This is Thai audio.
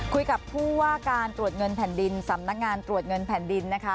คุยกับผู้ว่าการตรวจเงินแผ่นดินสำนักงานตรวจเงินแผ่นดินนะคะ